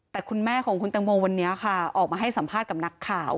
แต่คุณแม่ของคุณตังโมวันนี้ค่ะออกมาให้สัมภาษณ์กับนักข่าว